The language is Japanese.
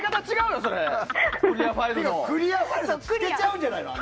クリアファイルじゃ透けちゃうんじゃないの？